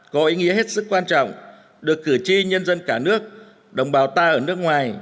có ý nghĩa hết sức quan trọng được cử tri nhân dân cả nước đồng bào ta ở nước ngoài